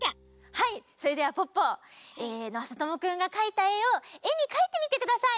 はいそれではポッポまさともくんがかいたえをえにかいてみてください。